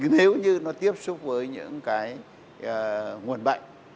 nếu như nó tiếp xúc với những cái nguồn bệnh